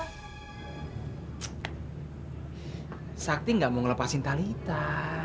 tsk sakti gak mau ngelepasin talitha